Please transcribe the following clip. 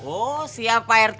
oh siap pak rt